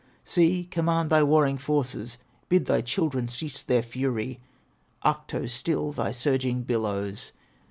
"Sea, command thy warring forces, Bid thy children cease their fury! Ahto, still thy surging billows!